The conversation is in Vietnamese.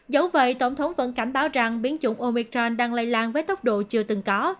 dẫu vậy tổng thống vẫn cảnh báo rằng biến chủng omicron đang lây lan với tốc độ chưa từng có